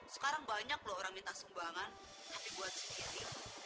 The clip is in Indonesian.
sekarang banyak loh orang minta sumbangan tapi buat sendiri